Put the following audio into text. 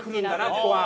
ここは。